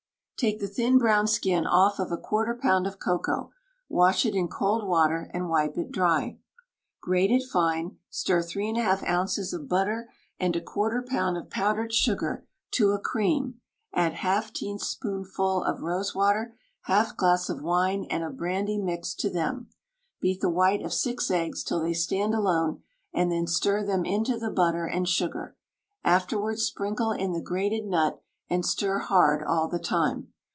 Take the thin brown skin off of a quarter pound of cocoa, wash it in cold water, and wipe it dry; grate it fine, stir three and half ounces of butter and a quarter pound of powdered sugar, to a cream; add half teaspoonful of rose water, half glass of wine and of brandy mixed, to them. Beat the white of six eggs till they stand alone, and then stir them into the butter and sugar; afterwards sprinkle in the grated nut, and stir hard all the time.